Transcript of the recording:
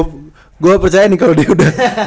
oke gue percaya nih kalau dia udah bilang nih